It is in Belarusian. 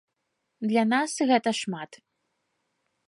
Для нас гэта шмат.